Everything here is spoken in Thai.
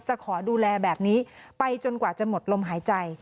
ขอดูแลแบบนี้ไปจนกว่าจะหมดลมหายใจ